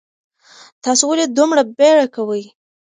تاسو ولې دومره بیړه کوئ؟